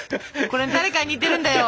これ誰かに似てるんだよ。